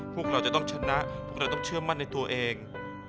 พวกเราจะต้องชนะพวกเราต้องเชื่อมั่นในตัวเอง